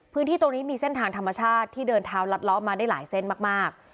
พื้นที่ตรงนี้มีเส้นทางธรรมชาติที่เดินเท้าลัดล้อมาได้หลายเส้นมาก